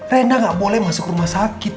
renda gak boleh masuk rumah sakit